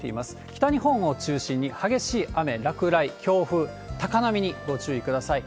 北日本を中心に激しい雨、落雷、強風、高波にご注意ください。